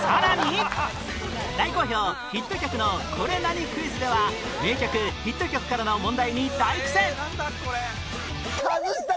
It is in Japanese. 大好評ヒット曲のこれ何クイズでは名曲ヒット曲からの問題に大苦戦！